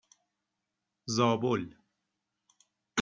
زابل